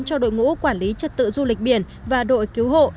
cho đội ngũ quản lý trật tự du lịch biển và đội cứu hộ